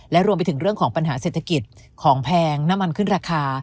และรวมไปถึงเรื่องของปัญหาเศรษฐกิจของแพงน้ำมันขึ้นราคา